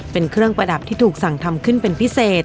เป็นเครื่องประดับที่ถูกสั่งทำขึ้นเป็นพิเศษ